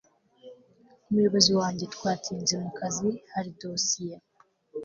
umuyobozi wajye twatinze mu kazi hari dosiye